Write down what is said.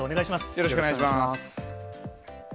よろしくお願いします。